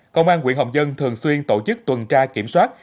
công an quyện hồng dân thường xuyên tổ chức tuần tra kiểm soát